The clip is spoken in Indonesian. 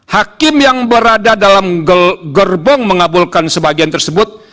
hakim yang berada dalam gerbong mengabulkan sebagian tersebut